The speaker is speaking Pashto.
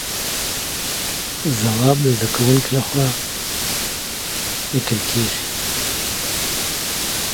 ځواب د زده کوونکي له خوا ليکل کيږي.